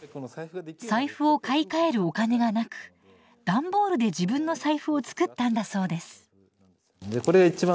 財布を買い替えるお金がなく段ボールで自分の財布を作ったんだそうです。